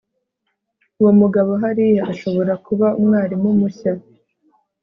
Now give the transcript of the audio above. uwo mugabo hariya ashobora kuba umwarimu mushya